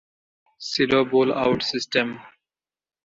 ছিল bowl out system.